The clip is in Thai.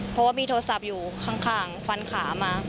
เพราะว่ามีโทรศัพท์อยู่ข้างฟันขามา